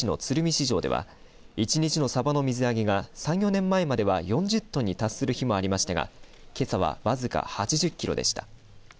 市場では１日のサバの水揚げが３、４年前までは４０トンに達する日もありましたがけさは僅か８０キロでした。